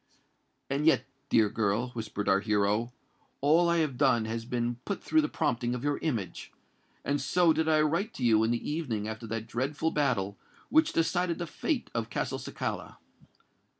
"And yet, dear girl," whispered our hero, "all I have done has been but through the prompting of your image; and so did I write to you in the evening after that dreadful battle which decided the fate of Castelcicala."